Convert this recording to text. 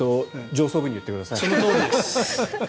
上層部に言ってください。